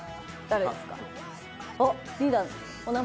あっリーダー。